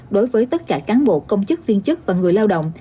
đối với tất cả cán bộ công chức viên chức và người lao động